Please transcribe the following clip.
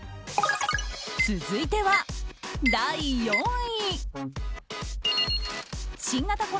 続いては第４位。